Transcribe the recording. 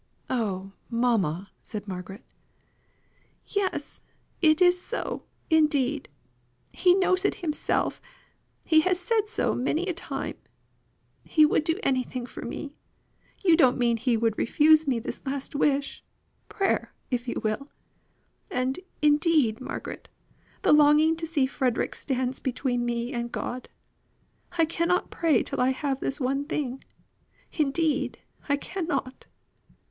"Oh, mamma!" said Margaret. "Yes; it is so, indeed. He knows it himself; he has said so many a time. He would do anything for me; you don't mean he would refuse me this last wish prayer, if you will. And, indeed, Margaret, the longing to see Frederick stands between me and God. I cannot pray till I have this one thing; indeed, I cannot.